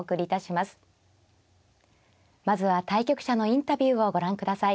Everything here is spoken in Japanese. まずは対局者のインタビューをご覧ください。